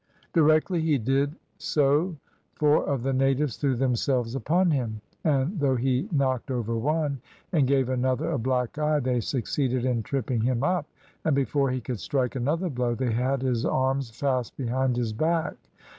Directly he did so four of the natives threw themselves upon him, and though he knocked over one, and gave another a black eye, they succeeded in tripping him up, and before he could strike another blow they had his arms fast behind his back.